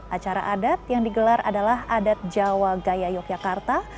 acara adat yang digelar adalah adat jawa gaya yogyakarta